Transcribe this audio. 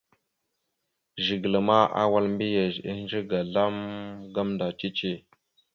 Zigəla ma awal mbiyez ehədze ga azlam gamənda cici.